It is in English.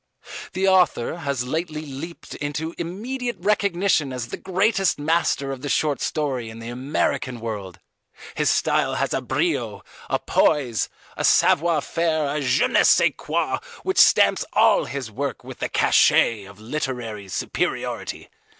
_" The author has lately leaped into immediate recognition as the greatest master of the short story in the American World. His style has a brio, a poise, a savoir faire, a je ne sais quoi, which stamps all his work with the cachet of literary superiority.